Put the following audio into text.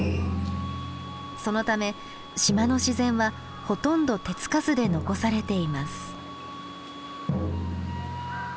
そのため島の自然はほとんど手付かずで残されています。